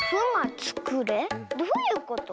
どういうこと？